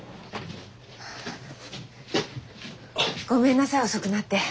ごめんなさい遅くなって。